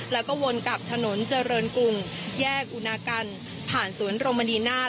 แล้วก็วนกลับถนนเจริญกรุงแยกอุณากันผ่านสวนรมณีนาฏ